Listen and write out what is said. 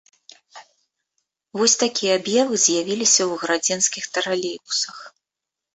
Вось такія аб'явы з'явіліся ў гарадзенскіх тралейбусах.